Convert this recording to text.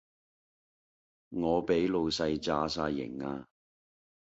我俾老細炸哂型呀